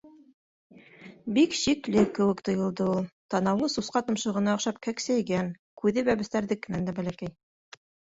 Бик шикле кеүек тойолдо ул: танауы сусҡа томшоғона оҡшап кәксәйгән, күҙе бәпестәрҙекенән бәләкәй.